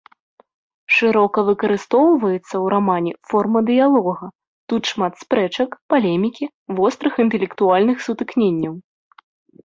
Шырока выкарыстоўваецца ў рамане форма дыялога, тут шмат спрэчак, палемікі, вострых інтэлектуальных сутыкненняў.